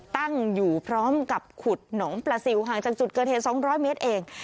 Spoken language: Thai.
ตั้งอยู่พร้อมกับขุดหนองปลาซิลห่างจากจุดเกิดเหตุ๒๐๐เมตรเอง